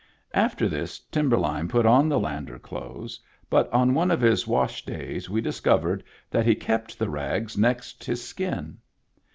After this Timberline put on the Lander clothes, but on one of his wash days we dis covered that he kept the rags next his skin!